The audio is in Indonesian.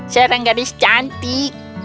seorang gadis cantik